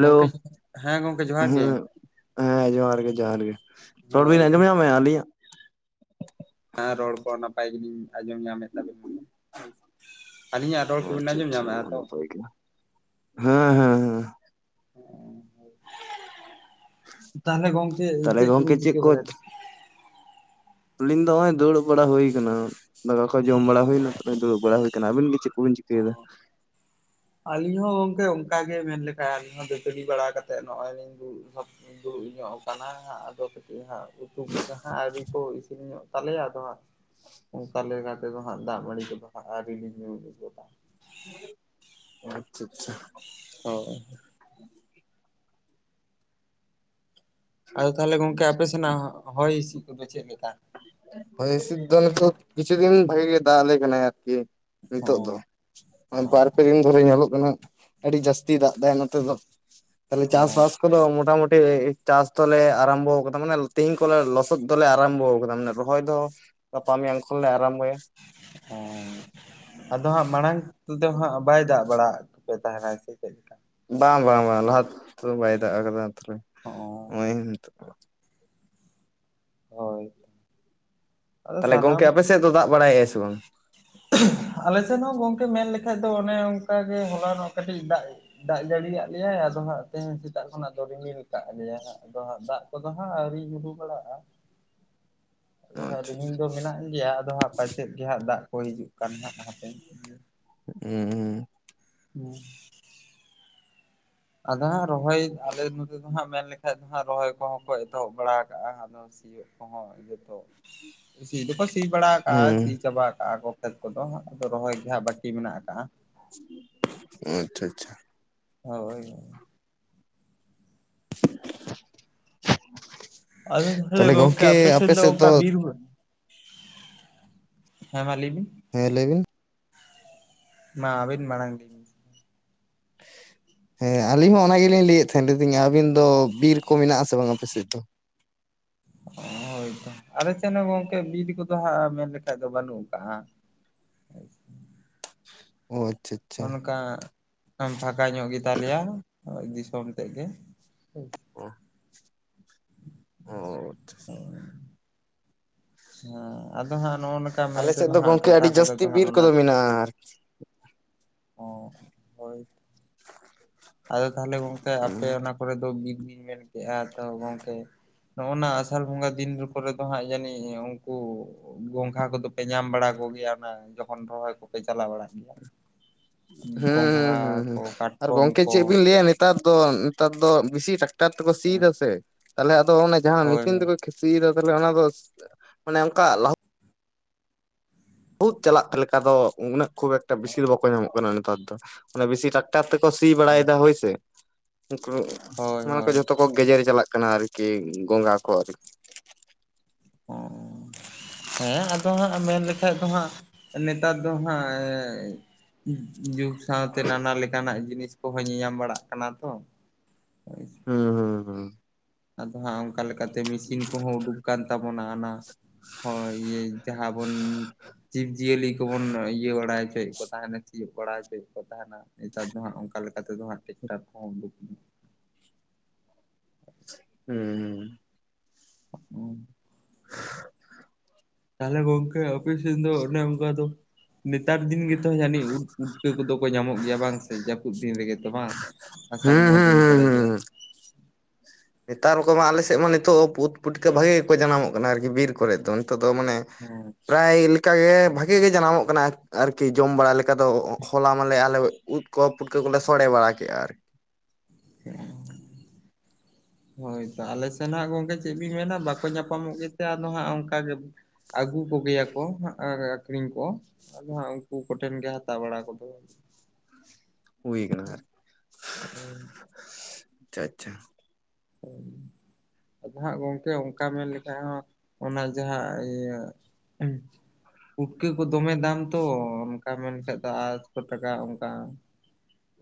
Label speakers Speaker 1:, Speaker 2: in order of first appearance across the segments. Speaker 1: ᱜᱚᱝᱠᱮ ᱡ ᱦᱮᱸ ᱜᱚᱝᱠᱮ ᱡᱚᱦᱟᱨ ᱜᱮ?
Speaker 2: ᱦᱮᱸ ᱦᱮᱸ ᱡᱚᱦᱟᱨ, ᱜᱮ ᱡᱚᱦᱟᱨ ᱜᱮ, ᱨᱚᱲ
Speaker 1: ᱦᱳᱭ
Speaker 2: ᱵᱤᱱ ᱟᱡᱚᱢ
Speaker 1: ᱜᱚᱝᱠᱮ
Speaker 2: ᱧᱟᱢᱮᱫᱜᱼᱟ ᱟᱞᱤᱧᱟ?
Speaker 1: ᱦᱮᱸ ᱨᱚᱲ ᱠᱚ ᱱᱟᱯᱟᱭ ᱜᱮ ᱞᱤᱧ ᱟᱸᱡᱚᱢ ᱧᱟᱢ ᱢᱮᱛᱟᱵᱮᱱ ᱾ ᱟᱹᱞᱤᱧᱟᱼᱜ ᱨᱚᱲ
Speaker 2: ᱚ
Speaker 1: ᱠᱚ ᱵᱤᱱ
Speaker 2: ᱟᱪᱪᱷᱟ
Speaker 1: ᱟᱸᱡᱚᱢ
Speaker 2: ᱟᱪᱪᱷᱟ
Speaker 1: ᱧᱟᱢᱮ ᱮᱫᱟ ᱛᱚ ᱾
Speaker 2: ᱱᱟᱯᱟᱭ ᱜᱮ ᱦᱮᱸ ᱦᱮᱸ ᱦᱮᱸ ᱾
Speaker 1: ᱛᱟᱦᱚᱞᱮ ᱜᱚᱝᱠᱮ,
Speaker 2: ᱛᱟᱦᱚᱞᱮ
Speaker 1: ᱪᱮᱫ
Speaker 2: ᱜᱚᱝᱠᱮ
Speaker 1: ᱠᱚᱵᱤᱱ ᱪᱤᱠᱟᱹ
Speaker 2: ᱠᱚ
Speaker 1: ᱵᱟᱲᱟᱭᱟ?
Speaker 2: ᱟᱹᱞᱤᱧ ᱫᱚ ᱱᱚᱜᱼᱚᱭ ᱫᱩᱲᱩᱵ ᱵᱟᱲᱟ ᱦᱩᱭ ᱟᱠᱟᱱᱟ ᱾ ᱫᱟᱠᱟ ᱠᱚ ᱡᱚᱢ ᱵᱟᱲᱟ ᱦᱩᱭᱱᱟ᱾ ᱫᱩᱲᱩᱵ ᱵᱟᱲᱟ ᱦᱩᱭ ᱟᱠᱟᱱᱟ᱾ ᱟᱵᱤᱱ ᱜᱮ ᱪᱮᱫ ᱠᱚᱵᱤᱱ ᱪᱤᱠᱟᱹᱭᱮᱫᱟ?
Speaker 1: ᱟᱹᱞᱤᱧ ᱦᱚᱸ ᱜᱚᱝᱠᱮ ᱚᱱᱠᱟᱮ ᱢᱮᱱ ᱞᱮᱠᱷᱟ᱾ ᱟᱹᱞᱤᱧ ᱦᱚᱸ ᱫᱟᱹᱛᱟᱹᱲᱤ ᱵᱟᱲᱟ ᱠᱟᱛᱮᱫ, ᱱᱚᱜᱼᱚᱭ ᱞᱤᱧ ᱫᱩᱲᱩᱵ ᱫᱩᱲᱩ ᱧᱚᱜ ᱟᱠᱟᱱᱟ᱾ ᱟᱫᱚ ᱠᱟᱹᱴᱤᱡ ᱦᱟᱸᱜ ᱩᱛᱩ ᱠᱚᱜᱮ ᱦᱟᱸ ᱟᱹᱣᱨᱤ ᱠᱚ, ᱤᱥᱤᱱ ᱧᱚᱜ ᱛᱟᱞᱮᱭᱼᱟ ᱾ ᱟᱫᱚ ᱦᱟᱸᱜ ᱚᱱᱠᱟ ᱞᱮᱠᱟᱛᱮᱫᱚ ᱦᱟᱸᱜ, ᱫᱟᱜ ᱢᱟᱹᱲᱤ ᱠᱚᱼᱫᱚ ᱦᱟᱸᱜ ᱟᱨᱤᱞᱤ ᱧᱩ ᱜᱚᱫᱟ ᱾
Speaker 2: ᱟᱪᱪᱷᱟ - ᱟᱪᱪᱷᱟ ᱾
Speaker 1: ᱚ ᱟᱫᱚ ᱛᱟᱦᱚᱞᱮ ᱜᱚᱝᱠᱮ ᱟᱯᱮ ᱥᱮᱱᱟ-ᱜ ᱦᱚᱭ ᱦᱤᱸᱤᱥᱤᱫ, ᱠᱚᱼᱫᱚ ᱪᱮᱫ ᱞᱮᱠᱟ?
Speaker 2: ᱦᱚᱭ ᱦᱤᱸᱥᱤᱫ ᱫᱚ, ᱱᱤᱛᱚᱜ ᱠᱤᱪᱷᱩ ᱫᱤᱱ ᱵᱷᱟᱜᱤ ᱜᱮ, ᱫᱟᱜ ᱟᱞᱮ ᱠᱟᱱᱟᱭ ᱟᱨᱠᱤ
Speaker 1: ᱚ
Speaker 2: ᱱᱤᱛᱚᱜ ᱫᱚ ᱾ ᱵᱟᱨ ᱯᱮ ᱫᱤᱱ ᱫᱷᱽᱚᱨᱮ ᱧᱮᱞᱚᱜ ᱠᱟᱱᱟ᱾ ᱟᱹᱰᱤ ᱡᱟᱹᱥᱛᱤ ᱫᱟᱜ ᱮ ᱱᱚᱛᱮ ᱫᱚ᱾ ᱛᱟᱦᱞᱮ
Speaker 1: ᱚ
Speaker 2: ᱪᱟᱥᱵᱟᱥ ᱠᱚᱼᱫᱚ ᱢᱚᱴ ᱢᱩᱩᱴᱤ ᱪᱟᱥ ᱫᱚᱞᱮ ᱟᱨᱟᱢᱵᱚ ᱟᱠᱟᱫᱟ ᱾ ᱢᱟᱱᱮ ᱛᱮᱤᱦᱤᱧ ᱠᱚᱞᱮ ᱞᱚᱥᱚᱫ ᱫᱚᱞᱮ ᱟᱨᱟᱢᱵᱚ ᱟᱠᱟᱫᱟ᱾ ᱢᱟᱱᱮ ᱨᱚᱦᱚᱭ ᱫᱚ, ᱜᱟᱯᱟ ᱢᱮᱭᱟᱝ ᱠᱷᱚᱱ ᱞᱮ, ᱟᱨᱟᱢᱜᱚᱭᱼᱟ ᱾
Speaker 1: ᱚᱸ ᱟᱫᱚ ᱦᱟᱸᱜ, ᱢᱟᱲᱟᱝ ᱛᱮᱫᱚ ᱦᱟᱸᱜ, ᱵᱟᱭ ᱫᱟᱜ ᱵᱟᱲᱟᱜᱯᱮ ᱛᱟᱦᱮᱱᱟ ᱥᱮ, ᱪᱮᱫᱞᱮᱠᱟ?
Speaker 2: ᱵᱟᱝ, ᱵᱟᱝ, ᱵᱟᱝ ᱞᱟᱦᱟ ᱛᱚ ᱵᱟᱭ ᱫᱟᱜ ᱠᱟᱫᱟ᱾ ᱛᱚᱨᱮ
Speaker 1: ᱚ
Speaker 2: ᱱᱚᱜᱚᱭᱛ ᱾
Speaker 1: ᱦᱳᱭ ᱟᱫᱚ
Speaker 2: ᱛᱟᱦᱚᱞᱮ
Speaker 1: ᱥᱟᱱᱟᱢ
Speaker 2: ᱜᱚᱝᱠᱮ ᱟᱯᱮ ᱥᱮᱫ ᱫᱚ, ᱫᱟᱜ ᱵᱟᱲᱟ ᱭᱮᱜᱼᱟᱭ ᱥᱮ ᱵᱟᱝ?
Speaker 1: ᱟᱞᱮᱥᱮᱫ ᱦᱚᱸ ᱜᱚᱝᱠᱮ, ᱢᱮᱱ ᱞᱮᱠᱷᱟᱡ ᱫᱚ, ᱚᱱᱮ ᱚᱱᱠᱟ ᱜᱮ ᱦᱚᱞᱟᱱᱚᱼᱜ ᱠᱟᱹᱴᱤᱡ ᱫᱟᱜ ᱫᱟᱜ ᱡᱟᱹᱲᱤᱭᱟᱜ ᱞᱮᱭᱟᱭ, ᱟᱫᱚ ᱦᱟᱸᱜ ᱛᱮᱦᱮᱧ ᱥᱮᱛᱟᱜ ᱠᱷᱚᱱᱟᱜ ᱫᱚ ᱨᱤᱢᱤᱞ ᱟᱠᱟᱜ ᱞᱮᱭᱟᱭ ᱦᱟᱸᱜᱼᱼ ᱟᱫᱚ ᱦᱟᱸᱜ ᱫᱟᱜ ᱠᱚᱫᱚ ᱦᱟᱸᱜ ᱟᱹᱣᱨᱤ ᱧᱩᱨᱩᱜ ᱵᱟᱲᱟᱜᱼᱟ ᱾ ᱟᱫᱚ ᱦᱟᱸᱜ
Speaker 2: ᱟᱪᱪᱷᱟ
Speaker 1: ᱨᱤᱢᱤᱞ
Speaker 2: ᱟᱪᱪᱷᱟ
Speaker 1: ᱫᱚ ᱢᱮᱱᱟᱜ ᱜᱮᱭᱟ, ᱟᱫᱚ ᱦᱟᱸᱜ ᱯᱟᱪᱮᱫ ᱜᱮ ᱦᱟᱸᱜ ᱫᱟᱜ ᱠᱚ ᱦᱤᱡᱩᱜ ᱠᱟᱱ ᱱᱟᱜ ᱦᱟᱯᱮᱼᱼ
Speaker 2: ᱦᱩᱸ ᱦᱩᱸ ᱾
Speaker 1: ᱦᱮᱸ [unintelligible] ᱟᱫᱚ ᱦᱟᱸᱜ ᱨᱚᱦᱚᱭ ᱟᱞᱮ ᱱᱚᱛᱮ ᱫᱚ ᱦᱟᱸᱜ ᱢᱮᱱ ᱞᱮᱠᱼᱼ ᱟᱞᱮ ᱫᱚ ᱦᱟᱸᱜ ᱨᱚᱦᱚᱭ ᱠᱚᱦᱚᱸ ᱠᱚ ᱮᱛᱚᱦᱚᱵ ᱵᱟᱲᱟ ᱟᱠᱟᱜᱼᱟ, ᱟᱫᱚ ᱥᱤᱭᱳᱜ ᱠᱚᱦᱚᱸ ᱡᱚᱛᱚᱼᱼ ᱥᱤ ᱫᱚᱠᱚ ᱥᱤ ᱵᱟᱲᱟ
Speaker 2: ᱦᱩᱸ
Speaker 1: ᱟᱠᱟᱜᱼᱟ
Speaker 2: ᱦᱩᱸ
Speaker 1: ᱥᱤ ᱪᱟᱵᱟ ᱟᱠᱟᱜᱼᱟ ᱠᱚ, ᱠᱷᱮᱛ ᱠᱚᱫᱚ ᱟᱫᱚ ᱨᱚᱦᱚᱭ ᱜᱮ ᱦᱟᱸᱜ ᱵᱟᱹᱠᱤ ᱢᱮᱱᱟᱜ ᱟᱠᱟᱜᱼᱟ ᱾
Speaker 2: ᱟᱪᱪᱷᱟ ᱟᱪᱪᱷᱟ ᱾
Speaker 1: ᱦᱚᱭ ᱾ ᱟᱫᱚ ᱛᱟᱦᱚᱞᱮ ᱜᱚᱝᱠᱮ ᱟᱯᱮ ᱥᱮᱫ ᱫᱚ ᱚᱱᱠᱟ ᱵᱤᱨ ᱵᱩᱼᱼ ᱦᱮᱸ ᱢᱟ ᱞᱟᱹᱭ ᱵᱤᱱ ᱾
Speaker 2: ᱦᱮᱸ ᱞᱟᱹᱭ ᱵᱤᱱ ᱾
Speaker 1: ᱢᱟ ᱟᱵᱤᱱ ᱢᱟᱲᱟᱝ ᱵᱤᱱ ᱾
Speaker 2: ᱦᱮᱸ ᱟᱞᱤᱧ ᱦᱚᱸ ᱚᱱᱟ ᱜᱮᱞᱤᱧ ᱞᱟᱹᱭᱮᱫ ᱛᱟᱦᱮᱱ ᱞᱤᱧ ᱟᱵᱤᱱ ᱫᱚ ᱵᱤᱨ ᱠᱚ ᱢᱮᱱᱟᱜ ᱟᱥᱮ ᱵᱟᱝ ᱟᱯᱮ ᱥᱮᱫ ᱫᱚ?
Speaker 1: ᱦᱚᱭ ᱛᱚ, ᱟᱫᱚ ᱟᱞᱮ ᱥᱮᱫ ᱦᱚᱸ ᱜᱚᱝᱠᱮ ᱵᱤᱨ ᱠᱚᱫᱚ ᱦᱟᱸᱜ ᱢᱮᱱ ᱞᱮᱠᱷᱟᱡ ᱫᱚ ᱵᱟᱹᱱᱩᱜ ᱟᱠᱟᱜᱼᱟ ᱾
Speaker 2: ᱚ ᱟᱪᱪᱷᱟ ᱾
Speaker 1: ᱚᱱᱠᱟ ᱯᱷᱟᱠᱟ ᱧᱚᱜ ᱜᱮ ᱛᱟᱞᱮᱭᱟ ᱫᱤᱥᱚᱢ ᱛᱮᱫ ᱜᱮ ᱾
Speaker 2: ᱚᱦᱚ [unintelligible]
Speaker 1: ᱦᱮᱸ ᱟᱫᱚ ᱦᱟᱸᱜ ᱱᱚᱜᱼᱚᱭ ᱱᱚᱝᱠᱟ ᱢᱮᱱ ᱛᱮ ᱫᱚ ᱦᱟᱸᱜ ᱴᱚᱴᱷᱟ ᱠᱚᱨᱮ ᱫᱚ ᱦᱟᱸᱜ ᱚᱱᱮᱼᱼ
Speaker 2: ᱟᱨᱻ
Speaker 1: ᱚ ᱦᱚᱭ ᱾ ᱟᱫᱚ ᱛᱟᱦᱚᱞᱮ ᱜᱚᱢᱠᱮ ᱟᱯᱮ ᱚᱱᱟ ᱠᱚᱨᱮ ᱫᱚ ᱵᱤᱱ ᱤᱧ ᱢᱮᱱ ᱠᱮᱫᱜᱼᱟ ᱛᱚ ᱜᱚᱢᱠᱮ ᱾ ᱱᱚᱜᱼᱚᱭ ᱚᱱᱟ ᱟᱥᱟᱲ ᱵᱚᱸᱜᱟ ᱫᱤᱱ ᱠᱚᱨᱮ ᱫᱚ ᱦᱟᱸᱜ ᱡᱟᱹᱱᱤᱡ ᱩᱱᱠᱩᱼᱼ ᱜᱚᱝᱜᱷᱟ ᱠᱚᱫᱚ ᱯᱮ ᱧᱟᱢ ᱵᱟᱲᱟ ᱠᱚᱜᱮᱭᱟ ᱚᱱᱟ ᱡᱚᱠᱷᱚᱱ ᱨᱚᱦᱚᱭ ᱠᱚᱯᱮ ᱪᱟᱞᱟᱣ ᱵᱟᱲᱟᱜ ᱜᱮᱭᱟ?
Speaker 2: ᱦᱩᱸ
Speaker 1: ᱜᱚᱝᱜᱷᱟ
Speaker 2: ᱦᱩᱸ ᱦᱩᱸ
Speaker 1: ᱠᱚ
Speaker 2: ᱦᱩᱸ ᱟᱨ
Speaker 1: ᱠᱟᱴᱠᱚᱢᱼᱼ
Speaker 2: ᱜᱚᱝᱠᱮ ᱪᱮᱫ ᱵᱤᱱ ᱞᱟᱹᱭᱟ ᱱᱮᱛᱟᱨ ᱫᱚ ᱱᱮᱛᱟᱨ ᱫᱚ ᱵᱤᱥᱤ ᱴᱨᱟᱠᱴᱟᱨ ᱛᱮᱠᱚ ᱥᱤ
Speaker 1: ᱦᱳᱭ
Speaker 2: ᱮᱫᱟ ᱥᱮ ᱛᱟᱦᱚᱞᱮ ᱟᱫᱚᱼᱼ ᱡᱟᱦᱟᱸ ᱢᱮᱥᱤᱱ ᱛᱮᱠᱚ ᱥᱤ ᱮᱫᱟ ᱛᱟᱦᱚᱞᱮ ᱚᱱᱟ ᱫᱚ ᱢᱟᱱᱮ ᱚᱱᱠᱟ ᱞᱟᱦᱩᱫᱼᱼ ᱵᱚᱦᱩᱫ ᱪᱟᱞᱟᱜ ᱞᱮᱠᱟ ᱫᱚ ᱩᱱᱟᱹᱜ ᱠᱷᱩᱵ ᱮᱠᱴᱟ ᱵᱮᱥᱤ ᱫᱚ ᱵᱟᱠᱚ ᱧᱟᱢᱚᱜ ᱠᱟᱱᱟ ᱱᱮᱛᱟᱨ ᱫᱚ, ᱟᱱᱮ ᱵᱮᱥᱤ ᱴᱟᱜᱼᱼ ᱴᱟᱨ ᱛᱮᱠᱚ ᱥᱤ ᱵᱟᱲᱟᱭᱮᱫᱟ ᱦᱳᱭ ᱥᱮ, ᱩᱱ
Speaker 1: ᱦᱳᱭ
Speaker 2: ᱢᱟᱱᱮ ᱠᱚ
Speaker 1: ᱦᱳᱭ
Speaker 2: ᱡᱚᱛᱚ ᱠᱚᱼᱼ ᱠᱚ ᱜᱮᱡᱮᱨ ᱪᱟᱞᱟᱜ ᱠᱟᱱᱟ ᱟᱨᱠᱤ ᱜᱚᱝᱜᱷᱟ ᱠᱚ ᱟᱨᱠᱤ ᱾
Speaker 1: ᱚᱻ ᱦᱮᱸ ᱟᱫᱚ ᱦᱟᱸᱜ ᱢᱮᱱ ᱞᱮᱠᱷᱟᱱ ᱫᱚ ᱦᱟᱸᱜ ᱱᱮᱛᱟᱨ ᱫᱚ ᱦᱟᱸᱜ ᱮᱻ ᱡᱩᱜᱽ ᱥᱟᱶᱛᱮ ᱱᱟᱱᱟ ᱞᱮᱠᱟᱱᱟᱜ ᱡᱤᱱᱤᱥ ᱠᱚᱦᱚᱸ ᱧᱮᱧᱟᱢ ᱵᱟᱲᱟᱜ ᱠᱟᱱᱟ ᱛᱚ ᱾
Speaker 2: ᱦᱩᱸ ᱦᱩᱸ ᱦᱩᱸ ᱾
Speaker 1: ᱟᱫᱚ ᱦᱟᱸᱜ ᱚᱱᱠᱟ ᱞᱮᱠᱟᱛᱮ ᱢᱮᱥᱤᱱ ᱠᱚᱦᱚᱸ ᱩᱰᱩᱠ ᱟᱠᱟᱱ ᱛᱟᱵᱚᱱᱟ, ᱦᱟᱱᱟ ᱦᱚᱲ ᱤᱭᱟᱹᱼᱼ ᱡᱟᱦᱟᱸ ᱵᱚᱱ ᱡᱤᱵ ᱡᱤᱭᱟᱹᱞᱤ ᱠᱚᱵᱚᱱ ᱤᱭᱟᱹ ᱵᱟᱲᱟᱭ ᱦᱚᱪᱚᱭᱮᱫᱼᱼ ᱛᱟᱦᱮᱱᱟ ᱠᱤ ᱠᱚᱨᱟᱣ ᱦᱚᱪᱚᱭᱮᱫ ᱠᱚ ᱛᱟᱦᱮᱱᱟ ᱱᱮᱛᱟᱨ ᱫᱚ ᱦᱟᱸᱜ ᱚᱱᱠᱟ ᱞᱮᱠᱟ ᱛᱮᱫᱚ ᱦᱟᱸᱜ ᱴᱮᱠᱴᱟᱨ ᱠᱚᱦᱚᱸ ᱵᱩᱼᱼ [inaudible]
Speaker 2: ᱦᱩᱸ ᱾
Speaker 1: ᱦᱩᱸ ᱾
Speaker 2: [unintelligible]
Speaker 1: ᱛᱟᱦᱚᱞᱮ ᱜᱚᱝᱠᱮ ᱟᱯᱮ ᱥᱮᱱ ᱫᱚ ᱚᱱᱮ ᱚᱱᱠᱟ ᱫᱚ, ᱱᱮᱛᱟᱨ ᱫᱤᱱ ᱜᱮᱛᱚ ᱡᱟᱹᱱᱤᱡ ᱩᱫ ᱯᱩᱴᱼᱼ ᱯᱩᱴᱠᱟᱹ ᱠᱚᱫᱚ ᱠᱚ ᱧᱟᱢᱚᱜ ᱜᱮᱭᱟ ᱵᱟᱝ ᱥᱮ, ᱡᱟᱹᱯᱩᱫ ᱫᱤᱱ ᱨᱮᱜᱮ ᱛᱚ ᱵᱟᱝ ᱟᱥᱟᱲ
Speaker 2: ᱦᱩᱸ ᱦᱩᱸ ᱦᱩᱸ
Speaker 1: ᱵᱚᱸᱜᱟ ᱫᱤᱱ
Speaker 2: ᱦᱩᱸ
Speaker 1: ᱠᱚᱨᱮ ᱜᱮ
Speaker 2: ᱦᱩᱸ
Speaker 1: ᱾
Speaker 2: ᱦᱩᱸ ᱱᱮᱛᱟᱨ ᱠᱚᱢᱟ ᱟᱞᱮ ᱥᱮᱫ ᱢᱟ ᱱᱤᱛᱚᱜ ᱩᱫ ᱯᱩᱴᱠᱟᱹ ᱵᱷᱟᱜᱤ ᱜᱮᱠᱚ ᱡᱟᱱᱟᱢᱚᱜ ᱠᱟᱱᱟ ᱟᱨᱠᱤ, ᱵᱤᱨ ᱠᱚᱨᱮ ᱫᱚ ᱱᱤᱛᱚᱜ ᱫᱚ ᱢᱟᱱᱮ ᱾
Speaker 1: ᱦᱮᱸ
Speaker 2: ᱯᱨᱟᱭ ᱞᱮᱠᱟ ᱜᱮ ᱵᱷᱟᱜᱮ ᱜᱮ ᱡᱟᱱᱟᱢᱚᱜ ᱠᱟᱱᱟ ᱟᱨᱠᱤ ᱡᱚᱢ ᱵᱟᱲᱟ ᱞᱮᱠᱟ ᱫᱚ ᱦᱚᱞᱟ ᱢᱟᱞᱮ ᱟᱞᱮ ᱩᱫ ᱠᱚ ᱯᱩᱴᱠᱟᱹ ᱠᱚᱞᱮ ᱥᱚᱲᱮ ᱵᱟᱲᱟ ᱠᱮᱜᱼᱟ ᱟᱨᱠᱤ᱾
Speaker 1: [unintelligible] ᱦᱳᱭᱛᱚ ᱟᱞᱮ ᱥᱮᱱ ᱱᱟᱜ ᱜᱚᱝᱠᱮ ᱪᱮᱫ ᱵᱤᱱ ᱢᱮᱱᱟ ᱵᱟᱠᱚ ᱧᱟᱯᱟᱢᱚᱜ ᱜᱮᱛᱮ ᱟᱫᱚ ᱦᱟᱸᱜ ᱚᱱᱠᱟ ᱜᱮ ᱟᱹᱜᱩ ᱠᱚᱜᱮᱭᱟ ᱠᱚ ᱟᱹᱠᱷᱨᱤᱧ ᱠᱚ᱾ ᱟᱫᱚ ᱦᱟᱸᱜ ᱩᱱᱠᱩ ᱠᱚᱴᱷᱮᱱ ᱜᱮ ᱦᱟᱛᱟ ᱵᱟᱲᱟ ᱠᱚᱫᱚ᱾
Speaker 2: ᱦᱩᱭ ᱠᱟᱱᱟ ᱦᱟᱸᱜ ᱟᱪᱪᱷᱟ ᱟᱪᱪᱷᱟ
Speaker 1: ᱟᱫᱚ ᱦᱟᱸᱜ ᱜᱚᱢᱠᱮ ᱚᱱᱠᱟ ᱢᱮᱱ ᱞᱮᱠᱷᱟᱡ ᱦᱚᱸ ᱚᱱᱟ ᱡᱟᱦᱟᱸ ᱤᱭᱟᱹ ᱩᱸᱦ ᱯᱷᱩᱴᱠᱟᱹ ᱠᱚ ᱫᱚᱢᱮ ᱫᱟᱢ ᱛᱚ ᱚᱱᱠᱟ ᱢᱮᱱᱠᱟᱡ ᱫᱚ ᱟᱴᱥᱚ ᱴᱟᱠᱟ ᱚᱱᱠᱟ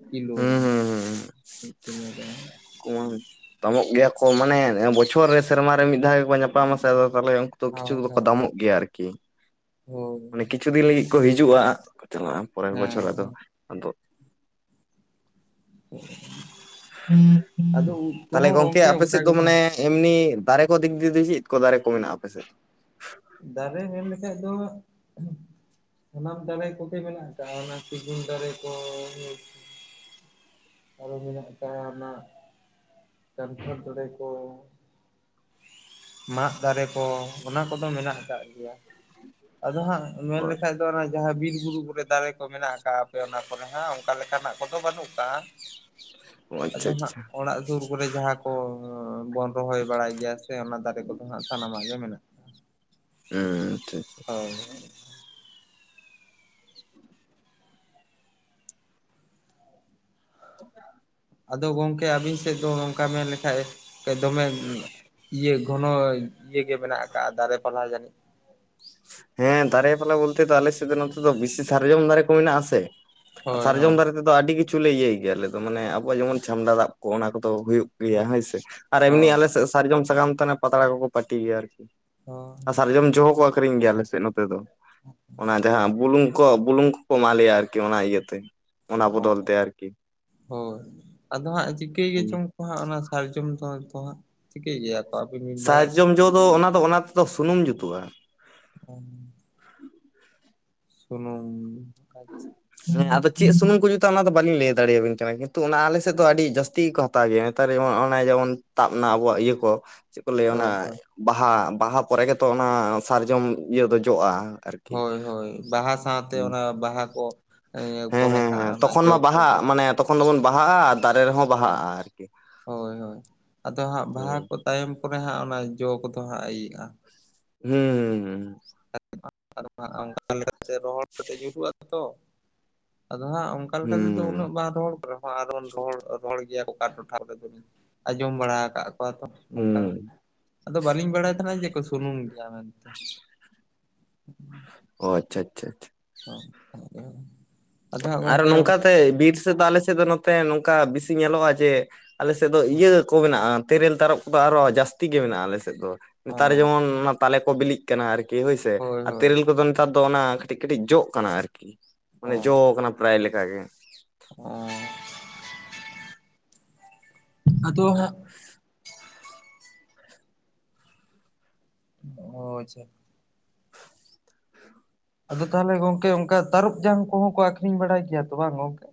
Speaker 1: ᱠᱤᱞᱳ
Speaker 2: ᱦᱩᱸ ᱦᱩᱸ
Speaker 1: ᱢᱤᱜ ᱠᱤᱞᱳ ᱨᱮ᱾
Speaker 2: [unintelligible] ᱛᱟᱢᱚᱜ ᱜᱮᱭᱟ ᱠᱚ ᱢᱟᱱᱮ ᱵᱚᱪᱷᱚᱨ ᱨᱮ ᱥᱮᱨᱢᱟ ᱨᱮ ᱢᱤᱫ ᱫᱷᱟᱣ ᱜᱮᱠᱚ ᱧᱟᱯᱟᱢᱟᱥᱮ ᱟᱫᱚ ᱛᱟᱦᱞᱮ ᱛᱚ ᱠᱤᱪᱷᱩ ᱫᱚᱠᱚ ᱫᱟᱢᱚᱜ ᱜᱮᱭᱟ ᱟᱨᱠᱤ᱾
Speaker 1: ᱦᱳ
Speaker 2: ᱢᱟᱱᱮ ᱠᱤᱪᱷᱩ ᱫᱤᱱ ᱞᱟᱹᱜᱤᱫ ᱠᱚ ᱦᱤᱡᱩᱜᱼᱟ ᱪᱟᱞᱟᱜᱼᱟ ᱯᱚᱨᱮᱨ
Speaker 1: ᱦᱮᱸ
Speaker 2: ᱵᱚᱪᱷᱚᱨ ᱟᱫᱚ
Speaker 1: ᱦᱮᱸ
Speaker 2: ᱟᱫᱚ
Speaker 1: [inaudible] ᱟᱫᱚ ᱩᱫ
Speaker 2: ᱛᱟᱞᱦᱮ
Speaker 1: ᱠᱚᱦᱚᱸ
Speaker 2: ᱜᱚᱝᱠᱮ ᱟᱯᱮ
Speaker 1: ᱚᱱᱠᱟ
Speaker 2: ᱥᱮᱫ ᱫᱚ
Speaker 1: ᱜᱮᱛᱚ
Speaker 2: ᱢᱟᱱᱮ ᱮᱢᱱᱤ ᱫᱟᱨᱮ ᱠᱚ ᱫᱤᱠ ᱫᱤᱫᱤ ᱪᱮᱫ ᱠᱚ ᱫᱟᱨᱮ ᱠᱚ ᱢᱮᱱᱟᱜᱼᱟ ᱟᱯᱮᱥᱮᱫ?
Speaker 1: ᱫᱟᱨᱮ ᱢᱮᱱ ᱞᱮᱠᱷᱟᱡ ᱫᱚ ᱥᱟᱱᱟᱢ ᱫᱟᱨᱮ ᱠᱚᱜᱮ ᱢᱮᱱᱟᱜ ᱟᱠᱟᱜᱼᱟ ᱚᱱᱟ ᱥᱤᱜᱩᱱ ᱫᱟᱨᱮ ᱠᱚ ᱚᱞ ᱢᱮᱱᱟᱜ ᱟᱠᱟᱜ-ᱟ ᱚᱱᱟ ᱠᱟᱱᱴᱷᱟᱲ ᱫᱟᱨᱮ ᱠᱚ, ᱢᱟᱜ ᱫᱟᱨᱮ ᱠᱚ, ᱚᱱᱟ ᱠᱚᱫᱚ ᱢᱮᱱᱟᱜ ᱟᱠᱟᱫ ᱜᱮᱭᱟ᱾ ᱟᱫᱚ ᱦᱟᱸᱜ ᱢᱮᱱ
Speaker 2: ᱚ
Speaker 1: ᱞᱮᱠᱷᱟᱱ ᱚᱱᱟ ᱡᱟᱦᱟᱸ ᱵᱤᱨ ᱵᱩᱨᱩ ᱠᱚᱨᱮ ᱫᱟᱨᱮ ᱠᱚ ᱢᱮᱱᱟᱜ ᱟᱠᱟᱜ-ᱟ ᱟᱯᱮ ᱚᱱᱟ ᱠᱚᱨᱮ ᱦᱟᱸᱜ ᱚᱱᱠᱟ ᱞᱮᱠᱟᱱᱟᱜ ᱠᱚᱫᱚ ᱵᱟᱹᱱᱩᱜ ᱠᱟᱜᱼᱟ᱾
Speaker 2: ᱟᱪᱪᱷᱟ
Speaker 1: ᱟᱫᱚ ᱦᱟᱸᱜ
Speaker 2: ᱟᱪᱪᱷᱟ
Speaker 1: ᱚᱲᱟᱜ ᱥᱩᱨ ᱠᱚᱨᱮ ᱡᱟᱦᱟᱸ ᱠᱚ ᱵᱚᱱ ᱨᱚᱦᱚᱭ ᱵᱟᱲᱟᱭ ᱜᱮᱭᱟ ᱥᱮ ᱚᱱᱟ ᱫᱟᱨᱮ ᱠᱚᱫᱚ ᱦᱟᱸᱜ ᱥᱟᱱᱟᱢᱟᱜ ᱜᱮ ᱢᱮᱱᱟᱜ
Speaker 2: ᱦᱩᱸ ᱴᱷᱟᱹᱪᱮ
Speaker 1: [unintelligible]
Speaker 2: [unintelligible]
Speaker 1: ᱟᱫᱚ ᱜᱚᱢᱠᱮ ᱟᱹᱵᱤᱱ ᱥᱮᱫ ᱫᱚ ᱱᱚᱝᱠᱟ ᱢᱮᱱ ᱞᱮᱠᱷᱟᱡ ᱫᱚᱢᱮ ᱤᱭᱟᱹ ᱜᱷᱚᱱᱚ ᱤᱭ ᱜᱮ ᱢᱮᱱᱟᱜ ᱟᱠᱟᱜᱼᱟ ᱫᱟᱨᱮ ᱯᱟᱞᱦᱟ ᱡᱟᱹᱱᱤᱡ
Speaker 2: ᱦᱮᱸ ᱫᱟᱨᱮ ᱯᱟᱞᱦᱟ ᱵᱚᱞᱛᱮ ᱫᱚ ᱟᱞᱮ ᱥᱮᱫ ᱫᱚ ᱱᱚᱛᱮ ᱫᱚ ᱵᱮᱥᱤ ᱥᱟᱨᱡᱚᱢ ᱫᱟᱨᱮ ᱠᱚ ᱢᱮᱱᱟᱜᱼᱟ ᱥᱮ᱾
Speaker 1: ᱦᱳᱭ
Speaker 2: ᱥᱟᱨᱡᱚᱢ
Speaker 1: ᱦᱳᱭ
Speaker 2: ᱫᱟᱨᱮ ᱛᱮᱫᱚ ᱟᱹᱰᱤ ᱠᱤᱪᱷᱩᱞᱮ ᱤᱭᱟᱹᱭ ᱜᱮᱭᱟ ᱟᱞᱮ ᱫᱚ ᱢᱟᱱᱮ ᱟᱵᱚᱣᱟᱜ ᱡᱮᱢᱚᱱ ᱪᱷᱟᱢᱰᱟ ᱫᱟᱜ ᱠᱚ ᱚᱱᱟ ᱠᱚᱫᱚ ᱦᱩᱭᱩᱜ ᱜᱮᱭᱟ ᱦᱳᱭᱥᱮ ᱟᱨ ᱮᱢᱱᱤ
Speaker 1: ᱦᱳᱭ
Speaker 2: ᱟᱞᱮ ᱥᱟᱨᱡᱚᱢ ᱥᱟᱠᱟᱢ ᱛᱮ ᱯᱟᱛᱲᱟ ᱠᱚᱠᱚ ᱯᱟᱹᱴᱤ ᱜᱮᱭᱟ ᱟᱨᱠᱤ᱾ ᱟᱨ
Speaker 1: ᱦᱳᱭ
Speaker 2: ᱥᱟᱨᱡᱚᱢ ᱡᱚ ᱦᱚᱸᱠᱚ ᱟᱹᱠᱷᱨᱤᱧ ᱜᱮᱭᱟ ᱟᱞᱮ ᱥᱮᱫ ᱱᱚᱛᱮ ᱫᱚ, ᱚᱱᱟ ᱡᱟᱦᱟᱸ ᱵᱩᱞᱩᱝ ᱠᱚ ᱵᱩᱞᱩᱝ ᱠᱚᱠᱚ ᱮᱢᱟᱞᱮᱭᱟ ᱟᱨᱠᱤ ᱚᱱᱟ ᱤᱭᱟᱹᱛᱮ ᱚᱱᱟ ᱵᱚᱫᱚᱞ ᱛᱮ ᱟᱨᱠᱤ᱾
Speaker 1: ᱦᱳᱭ ᱟᱫᱚ ᱦᱟᱸᱜ ᱪᱤᱠᱟᱹᱭ ᱜᱮᱪᱚᱝ ᱠᱚ ᱦᱟᱸᱜ ᱚᱱᱟ ᱥᱟᱨᱡᱚᱢ ᱫᱚ ᱦᱟᱸᱜ ᱪᱤᱠᱟᱹᱭ ᱜᱮᱭᱟ᱾ ᱠᱚ ᱟᱹᱵᱤᱱ ᱵᱤᱱ ᱵᱟᱲᱟᱭ
Speaker 2: ᱥᱟᱨᱡᱚᱢ ᱡᱚ ᱫᱚ ᱚᱱᱟ ᱫᱚ ᱚᱱᱟ ᱛᱮᱫᱚ ᱥᱩᱱᱩᱢ ᱡᱩᱛᱩᱜᱼᱟ᱾
Speaker 1: ᱚᱝ ᱥᱩᱱᱩᱢ ᱠᱟᱪ
Speaker 2: ᱦᱮᱸ ᱟᱫᱚ ᱪᱮᱫ ᱥᱩᱱᱩᱢ ᱠᱚ ᱡᱩᱛᱟ ᱚᱱᱟ ᱫᱚ ᱵᱟᱹᱞᱤᱧ ᱞᱟᱹᱭ ᱫᱟᱲᱮᱭᱟᱵᱤᱱ ᱠᱟᱱᱟ ᱠᱤᱱᱛᱩ ᱚᱱᱟ ᱟᱞᱮ ᱥᱮᱫ ᱫᱚ ᱟᱹᱰᱤ ᱡᱟᱹᱥᱛᱤ ᱜᱮᱠᱚ ᱦᱟ ᱛᱟᱜᱮ ᱱᱮᱛᱟᱨ ᱡᱮᱢᱚᱱ ᱚᱱᱮ ᱡᱮᱢᱚᱱ ᱛᱟᱵᱽ ᱮᱱᱟ ᱟᱵᱚᱣᱟᱜ ᱤᱭᱟᱹ ᱠᱚ᱾ ᱪᱮᱫ ᱠᱚ ᱞᱟᱹᱭᱟ ᱚᱱᱟ
Speaker 1: ᱦᱳᱭ ᱦᱳᱭ
Speaker 2: ᱵᱟᱦᱟ ᱵᱟᱦᱟ ᱯᱚᱨᱮ ᱜᱮᱛᱚ ᱚᱱᱟ ᱥᱟᱨᱡᱚᱢ ᱤᱭᱟᱹ ᱫᱚ ᱡᱚᱜᱼᱟ᱾ ᱟᱨᱠᱤ
Speaker 1: ᱦᱳᱭ ᱦᱳᱭ ᱵᱟᱦᱟ ᱥᱟᱶᱛᱮ
Speaker 2: ᱦᱩᱸ
Speaker 1: ᱚᱱᱟ ᱵᱟᱦᱟ ᱠᱚ
Speaker 2: ᱦᱮᱸ
Speaker 1: ᱮᱭᱟᱹᱯᱚᱨᱮ
Speaker 2: ᱦᱮᱸ
Speaker 1: ᱦᱟᱸᱜ
Speaker 2: ᱦᱮᱸ
Speaker 1: ᱚᱱᱟ
Speaker 2: ᱛᱚᱠᱷᱚᱱ
Speaker 1: ᱡᱚ
Speaker 2: ᱢᱟ
Speaker 1: ᱠᱚ
Speaker 2: ᱵᱟᱦᱟᱜ
Speaker 1: ᱡᱚᱜ
Speaker 2: ᱢᱟᱱᱮ ᱛᱚᱠᱷᱚᱱ ᱫᱚᱵᱚᱱ ᱵᱟᱦᱟᱜᱼᱟ ᱟᱨ ᱫᱟᱨᱮ ᱨᱮᱦᱚᱸ
Speaker 1: ᱦᱳᱭ
Speaker 2: ᱵᱟᱦᱟᱜᱼᱟ ᱟᱨᱠᱤ᱾
Speaker 1: ᱦᱳᱭ ᱦᱳᱭ ᱟᱫᱚ ᱦᱟᱸᱜ ᱵᱟᱦᱟ
Speaker 2: ᱦᱩᱸ᱾
Speaker 1: ᱠᱚ ᱛᱟᱭᱚᱢ ᱯᱚᱨᱮ ᱦᱟᱸᱜ ᱚᱱᱟ ᱡᱚ ᱠᱚᱫᱚ ᱦᱟᱸᱜ ᱤᱭᱟᱹᱜᱼᱟ᱾
Speaker 2: ᱦᱩᱸ ᱦᱩᱸᱦᱩᱸ᱾
Speaker 1: [unintelligible] ᱚᱱᱠᱟ ᱞᱮᱠᱟᱛᱮ ᱨᱚᱦᱚᱲ ᱠᱟᱛᱮ ᱧᱩᱨᱦᱩᱜ ᱟ ᱛᱚ᱾ ᱟᱫᱚ ᱦᱟᱸᱜ ᱚᱝ
Speaker 2: ᱦᱩᱸ
Speaker 1: ᱠᱟᱞᱮᱠᱟ ᱛᱮᱫᱚ
Speaker 2: ᱦᱩᱸ ᱦᱩᱸ
Speaker 1: ᱩᱱᱟᱹᱜ ᱵᱟᱝ ᱨᱚᱦᱚᱲ ᱠᱚᱜ ᱨᱮᱦᱚᱸ ᱟᱱᱟᱫᱚᱵᱚᱱ ᱨᱚᱦᱚᱲ ᱨᱚᱦᱚᱲ ᱜᱮᱭᱟ ᱚᱠᱟ ᱴᱚᱴᱷᱟ ᱨᱮᱫᱚ [unintelligible] ᱟᱸᱡᱚᱢ ᱵᱟᱲᱟ ᱟᱠᱟᱫ ᱠᱚᱣᱟ ᱛᱚ᱾ ᱱᱚᱝᱠᱟ
Speaker 2: ᱦᱩᱸ
Speaker 1: ᱟᱫᱚ ᱵᱟᱹᱞᱤᱧ ᱵᱟᱲᱟᱭ ᱛᱟᱦᱮᱱᱟ ᱡᱮᱠᱚ ᱥᱩᱱᱩᱢ ᱜᱮᱭᱟ ᱢᱮᱱᱛᱮ᱾ ᱦᱩᱸ᱾
Speaker 2: ᱚ ᱟᱪᱪᱷᱟ ᱟᱪᱪᱷᱟ ᱟᱪᱪᱷᱟ᱾
Speaker 1: [unintelligible] ᱦᱟᱸᱜ
Speaker 2: ᱟᱨᱚ
Speaker 1: ᱜᱚᱝᱠᱮ ᱚᱱᱠᱟ
Speaker 2: ᱱᱚᱝᱠᱟᱛᱮ ᱵᱤᱨ ᱥᱮᱫ ᱫᱚ ᱟᱞᱮᱥᱮᱫ ᱫᱚ ᱱᱚᱛᱮ ᱱᱚᱝᱠᱟ ᱵᱤᱥᱤ ᱧᱮᱞᱚᱜᱼᱟ ᱡᱮ ᱟᱞᱮᱥᱮᱫ ᱫᱚ
Speaker 1: ᱦᱚᱸ
Speaker 2: ᱤᱭᱟᱹ ᱠᱚ ᱢᱮᱱᱟᱜᱼᱟ᱾ ᱛᱮᱨᱮᱞ ᱛᱟᱨᱚᱵ ᱠᱚᱫᱚ ᱟᱨᱚ ᱡᱟᱹᱥᱛᱤ ᱜᱮ ᱢᱮᱱᱟᱜᱼᱟ ᱟᱞᱮᱥᱮᱫ ᱫᱚ᱾ ᱱᱮᱛᱟᱨ ᱡᱮᱢᱚᱱ ᱚᱱᱟ ᱛᱟᱞᱮ ᱠᱚ ᱵᱤᱞᱤ ᱛᱮ ᱠᱟᱱᱟ ᱟᱨᱠᱤ ᱦᱳᱭᱥᱮ᱾
Speaker 1: ᱦᱳᱭ
Speaker 2: ᱟᱨ
Speaker 1: ᱦᱳᱭ
Speaker 2: ᱛᱮᱨᱮᱞ ᱠᱚᱫᱚ ᱱᱮᱛᱟᱨ ᱫᱚ ᱚᱱᱟ ᱠᱟᱹᱴᱤᱡ ᱠᱟᱹᱴᱤᱡ ᱡᱚᱜ ᱠᱟᱱᱟ ᱟᱨᱠᱤ᱾ ᱡᱚᱣ ᱠᱟᱱᱟ ᱯᱨᱟᱭ ᱞᱮᱠᱟ ᱜᱮ᱾
Speaker 1: ᱚ᱾ ᱟᱫᱚ ᱦᱟᱸᱜ ᱚ ᱟᱪᱪᱷᱟ᱾ ᱟᱫᱚ ᱛᱟᱦᱚᱞᱮ ᱜᱚᱝᱠᱮ ᱚᱱᱠᱟ ᱛᱟᱹᱨᱚᱵ ᱡᱟᱝ ᱠᱚᱦᱚᱸ ᱠᱚ ᱟᱠᱷᱨᱤᱧ ᱵᱟᱲᱟᱭ ᱜᱮᱭᱟ ᱛᱚ ᱵᱟᱝ ᱜᱚᱝᱠᱮ᱾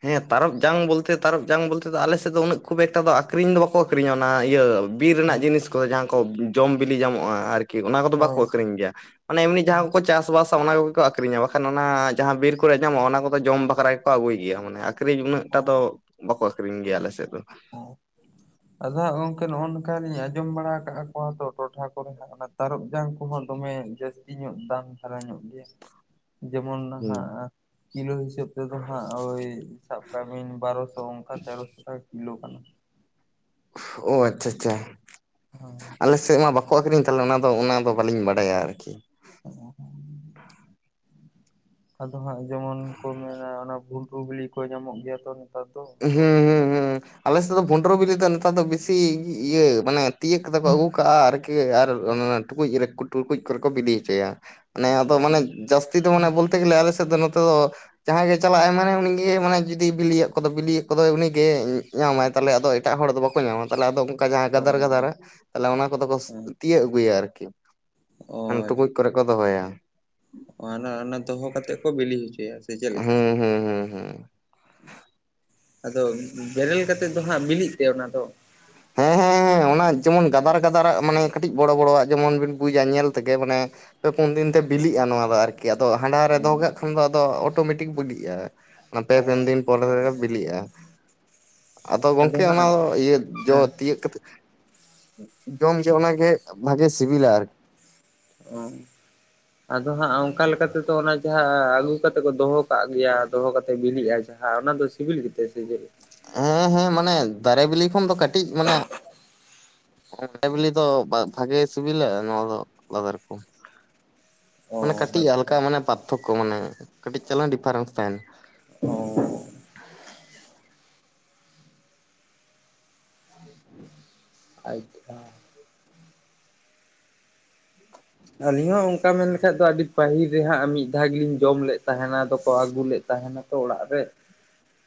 Speaker 2: ᱦᱮ ᱛᱟᱨᱚᱵ ᱡᱟᱝ ᱵᱚᱞᱛᱮ ᱛᱟᱨᱚᱵ ᱡᱟᱝ ᱵᱚᱞᱛᱮ ᱫᱚ ᱟᱞᱮ ᱥᱮᱫ ᱫᱚ ᱩᱱᱟᱹᱜ ᱠᱷᱩᱵ ᱮᱠᱴᱟ ᱫᱚ ᱟᱠᱷᱨᱤᱧ ᱫᱚ ᱵᱟᱠᱚ ᱟᱠᱷᱨᱤᱧᱟ ᱚᱱᱟ ᱤᱭᱟᱹ ᱵᱤᱨ ᱨᱮᱱᱟᱜ
Speaker 1: ᱦᱩᱸ
Speaker 2: ᱡᱤᱱᱤᱥ ᱠᱚᱫᱚ ᱡᱟᱦᱟᱸ ᱠᱚ ᱡᱚᱢ ᱵᱤᱞᱤ ᱧᱟᱢᱚᱜᱼᱟ ᱟᱨᱠᱤ ᱚᱱᱟ ᱠᱚᱫᱚ ᱵᱟᱠᱚ
Speaker 1: ᱦᱳᱭ
Speaker 2: ᱟᱹᱠᱷᱨᱤᱧ ᱜᱮᱭᱟ᱾ ᱢᱟᱱᱮ ᱮᱢᱱᱤ ᱡᱟᱦᱟᱸ ᱠᱚᱠᱚ ᱪᱟᱥ ᱵᱟᱟᱥᱟ ᱚᱱᱟ ᱠᱚᱜᱮ ᱠᱚ ᱟᱠᱷᱨᱤᱧᱟ ᱵᱟᱠᱷᱟᱱ ᱚᱱᱟ ᱡᱟᱦᱟᱸ ᱵᱤᱨ ᱠᱚᱨᱮ ᱧᱟᱢᱚᱜᱼᱟ ᱚᱱᱟ ᱠᱚᱫᱚ ᱡᱚᱢ ᱵᱟᱠᱷᱨᱟ ᱜᱮᱠᱚ ᱟᱹᱜᱩᱭ ᱜᱮᱭᱟ᱾ ᱢᱟᱱᱮ ᱟᱠᱷᱨᱤᱧ ᱩᱱᱟᱹᱜᱴᱟ ᱫᱚ ᱵᱟᱠᱚ ᱟᱠᱷᱨᱤᱧ ᱜᱮᱭᱟ ᱟᱞ ᱥᱮᱫ ᱫᱚ᱾
Speaker 1: ᱟᱫᱚ ᱦᱟᱸᱜ ᱜᱚᱝᱠᱮ ᱱᱚᱜᱼᱚ ᱱᱚᱝᱠᱟ ᱞᱤᱧ ᱟᱸᱡᱚᱢ ᱵᱟᱲᱟ ᱟᱠᱟ ᱠᱚᱣᱟ ᱛᱚ ᱴᱚᱴᱷᱟ ᱠᱚᱨᱮ ᱦᱟᱸᱜ ᱚᱱᱟ ᱛᱟᱨᱚᱵ ᱡᱟᱝ ᱠᱚᱦᱚᱸ ᱫᱚᱢᱮ ᱡᱟᱹᱥᱛᱤ ᱧᱚᱜ ᱫᱟᱢ ᱫᱷᱟᱨᱟ ᱧᱚᱜ ᱜᱮᱭᱟ᱾ ᱡᱮᱢᱚᱱ
Speaker 2: ᱦᱩᱸ
Speaker 1: ᱦᱟᱸᱜ ᱠᱤᱞᱳ ᱦᱤᱥᱟᱹᱵ ᱛᱮᱫᱚ ᱦᱟᱸᱜ ᱳᱭ ᱥᱟᱵ ᱠᱟᱜ ᱵᱤᱱ ᱵᱟᱨᱚᱥᱚ ᱚᱱᱠᱟ ᱛᱮᱨᱚᱥᱚ ᱴᱟᱠᱟ ᱠᱤᱞᱳ ᱠᱟᱱᱟ᱾
Speaker 2: ᱚ ᱟᱪᱪᱷᱟ ᱟᱪᱪᱷᱟ᱾
Speaker 1: ᱦᱮᱸ᱾
Speaker 2: ᱟᱞᱮ ᱥᱮᱫ ᱢᱟ ᱵᱟᱠᱚ ᱟᱹᱠᱷᱨᱤᱧ ᱛᱟᱦᱚᱞᱮ ᱚᱱᱟᱫᱚ ᱚᱱᱟᱫᱚ ᱵᱟᱹᱞᱤᱧ ᱵᱟᱰᱟᱭᱟ ᱟᱨᱠᱤ᱾
Speaker 1: [inaudible] ᱟᱫᱚ ᱦᱟᱸᱜ ᱡᱮᱢᱚᱱ ᱠᱚ ᱢᱮᱱᱟ ᱚᱱᱟ ᱵᱷᱩᱱᱰᱨᱩ ᱵᱤᱞᱤ ᱠᱚ ᱧᱟᱢᱚᱜ ᱜᱮᱭᱟ ᱛᱚ ᱱᱮ
Speaker 2: ᱦᱩᱸ ᱦᱩᱸ ᱦᱩᱸ᱾ ᱟᱞᱮ ᱥᱮᱫ ᱫᱚ ᱵᱷᱩᱱᱰᱨᱳ ᱵᱤᱞᱤ ᱫᱚ ᱱᱮᱛᱟᱨ ᱫᱚ ᱵᱤᱥᱤ ᱤᱭᱟᱹ ᱢᱟᱱᱮ ᱛᱤᱭᱟᱜ ᱠᱟᱛᱮ ᱠᱚ ᱟᱹᱜᱩ ᱠᱟᱜᱼᱟ ᱟᱨ ᱠᱤ ᱟᱨ
Speaker 1: ᱦᱳᱭ
Speaker 2: ᱚᱱ-ᱚᱱᱟ ᱴᱩᱠᱩᱡ ᱨᱮ ᱴᱩᱠᱩᱡ ᱠᱚᱨᱮ ᱠᱚ ᱵᱤᱫ ᱦᱚᱪᱚᱭᱟ᱾ ᱢᱟᱱᱮ ᱟᱫᱚ ᱢᱟᱱᱮ ᱡᱟᱹᱥᱛᱤ ᱫᱚ ᱢᱟᱱᱮ ᱵᱚᱞᱛᱮ ᱜᱮᱞᱮ ᱟᱞᱮ ᱥᱮᱫ ᱫᱚ ᱱᱚᱛᱮ ᱫᱚ ᱡᱟᱦᱟᱸᱭ ᱜᱮ ᱪᱟᱞᱟᱜ ᱟᱭ ᱢᱟᱱᱮ ᱩᱱᱤᱜ ᱢᱟᱱᱮ ᱡᱩᱫᱤ ᱵᱤᱞᱤᱭᱮᱫ ᱠᱚᱫᱚ ᱵᱤᱞᱤᱭᱮᱫ ᱠᱚᱫᱚᱭ ᱩᱱᱤᱜᱮ ᱧᱟᱢᱟᱭ ᱛᱟᱦᱚᱞᱮ ᱟᱫᱚ ᱮᱴᱟᱜ ᱦᱚᱲᱫᱚ ᱵᱟᱠᱚ ᱧᱟᱢᱟ ᱛᱟᱦᱚᱞᱮ ᱟᱫᱚ ᱚᱱᱠᱟ ᱡᱟᱦᱟᱸ ᱜᱟᱫᱟᱨ
Speaker 1: ᱦᱳᱭ
Speaker 2: ᱜᱟᱫᱟᱨᱟᱜ ᱛᱟᱦᱞᱮ ᱚᱱᱟ ᱠᱚᱫᱚ ᱠᱚ
Speaker 1: ᱦᱮᱸ
Speaker 2: ᱛᱤᱭᱳᱜ ᱟᱜᱩᱭᱟ ᱟᱨᱠᱤ᱾ ᱠᱷᱟᱱ ᱴᱩᱠᱩᱡ ᱠᱚᱨᱮᱜ᱾ ᱠᱚ ᱫᱚᱦᱚᱭᱟ᱾
Speaker 1: ᱢᱟᱱᱮ ᱚᱱᱮ ᱫᱚᱦᱚ ᱠᱟᱛᱮᱜ ᱠᱚ ᱵᱤᱞᱤ ᱦᱚᱪᱚᱭᱟ ᱥᱮ ᱪᱮᱫ ᱞᱮᱠᱟ?
Speaker 2: ᱦᱩᱸ ᱦᱩᱸ ᱦᱩᱸ ᱦᱩᱸ
Speaker 1: ᱟᱫᱚ ᱵᱮᱨᱮᱞ ᱠᱟᱛᱮᱫ ᱫᱚ ᱦᱟᱸᱜ ᱵᱤᱞᱤᱜ ᱛᱮ ᱚᱱᱟ ᱫᱚ?
Speaker 2: ᱦᱮᱸ ᱦᱮᱸ
Speaker 1: [inaudible]
Speaker 2: ᱦᱮᱸ ᱚᱱᱟ ᱡᱮᱢᱚᱱ ᱜᱟᱫᱟᱨ ᱜᱟᱫᱟᱨᱟᱜ ᱢᱟᱱᱮ ᱠᱟᱹᱴᱤᱡ ᱵᱚᱲᱚ ᱵᱚᱲᱚᱣᱟᱜ ᱡᱮᱢᱚᱱ ᱵᱤᱱ ᱵᱩᱡᱟ ᱧᱮᱞ ᱛᱮᱜᱮ ᱢᱟᱱᱮ ᱯᱮ ᱯᱩᱱ ᱫᱤᱱᱛᱮ ᱵᱤᱞᱤᱜᱼᱟ ᱱᱚᱣᱟ ᱫᱚ ᱟᱨᱠᱤ ᱟᱫᱚ ᱦᱟᱸᱰᱷᱟ ᱨᱮ ᱫᱚᱦᱚ ᱠᱟᱜ ᱠᱷᱟᱱ ᱫᱚ ᱟᱫᱚ ᱚᱴᱳᱢᱮᱴᱤᱠ ᱵᱤᱞᱤᱜᱼᱟ᱾ ᱚᱱᱟ ᱯᱮ ᱯᱩᱱ ᱫᱤᱱ ᱯᱚᱨᱮ ᱵᱤᱞᱤᱜᱼᱟ᱾ ᱟᱫᱚ ᱜᱚᱝᱠᱮ ᱚᱱᱟ ᱫᱚ ᱤᱭᱟᱹ ᱡᱚ
Speaker 1: ᱦᱮᱸ
Speaker 2: ᱛᱤᱭᱟᱜ ᱠᱟᱛᱮ, ᱡᱚᱢ ᱡᱚᱦᱚᱜ ᱚᱱᱟᱜᱮ ᱵᱷᱟᱜᱮ ᱥᱤᱵᱤᱞᱟ ᱟᱨᱠᱤ᱾
Speaker 1: ᱚ ᱟᱫᱚ ᱦᱟᱸᱜ ᱚᱱᱠᱟ ᱞᱮᱠᱟ ᱛᱮᱫᱚ ᱚᱱᱟ᱾ ᱡᱟᱸᱦᱟᱸ ᱟᱹᱜᱩ ᱠᱟᱛᱮ ᱠᱚ ᱫᱚᱦᱚ ᱠᱟᱜ ᱜᱮᱭᱟ, ᱫᱚᱦᱚ ᱠᱟᱛᱮ ᱵᱤᱞᱤᱜᱼᱟ ᱡᱟᱦᱟᱸ ᱚᱱᱟ ᱫᱚ ᱥᱤᱵᱤᱞ ᱜᱮᱛᱮ ᱥᱮ ᱪᱮᱫ?
Speaker 2: ᱦᱮᱸ ᱦᱮᱸ ᱢᱟᱱᱮ ᱫᱟᱨᱮ ᱵᱤᱞᱤ ᱠᱷᱚᱱ ᱫᱚ ᱠᱟᱹᱴᱤᱡ ᱢᱟᱱᱮ ᱴᱟᱴᱠᱟ ᱵᱤᱞᱤ ᱫᱚ ᱵᱷᱟᱜᱮ ᱥᱤᱵᱤᱞᱟ, ᱱᱚᱣᱟ ᱫᱚ ᱟᱞᱟᱫᱟ ᱨᱚᱠᱚᱢ᱾ ᱢᱟᱱᱮ
Speaker 1: ᱚ
Speaker 2: ᱠᱟᱹᱴᱤᱡ
Speaker 1: ᱟᱪᱪᱷᱟ
Speaker 2: ᱦᱟᱞᱠᱟ ᱢᱟᱱᱮ ᱯᱟᱨᱛᱷᱚᱠᱠᱚ ᱢᱟᱱᱮ, ᱠᱟᱹᱴᱤᱡ ᱪᱟᱞᱟᱝ ᱰᱤᱯᱷᱟᱨᱮᱱᱥ ᱛᱟᱦᱮᱱᱟ᱾
Speaker 1: ᱚ [inaudible] ᱟᱪᱪᱷᱟ ᱟᱹᱞᱤᱧ ᱦᱚᱸ ᱚᱱᱠᱟ ᱢᱮᱱ ᱞᱮᱠᱷᱟᱡ ᱫᱚ ᱟᱹᱰᱤ ᱯᱟᱹᱦᱤᱞ ᱨᱮᱦᱟᱸᱜ ᱢᱤᱫ ᱫᱷᱟᱣ ᱜᱮᱞᱤᱧ ᱡᱚᱢ ᱞᱮᱫ ᱛᱟᱦᱮᱱᱟ ᱟᱫᱚ ᱠᱚ ᱟᱹᱜᱩ ᱞᱮᱫ ᱛᱟᱦᱮᱱᱟ᱾ ᱛᱚ ᱚᱲᱟᱜ ᱨᱮ᱾